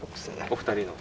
お二人の。